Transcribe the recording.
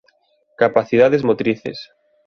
Capacidades motrices: